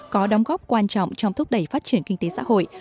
có đóng góp quan trọng trong thúc đẩy phát triển kinh tế xã hội